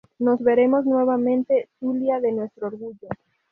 Nos veremos nuevamente Zulia de nuestro orgullo.